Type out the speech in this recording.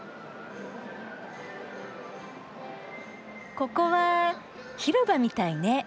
ここは広場みたいね。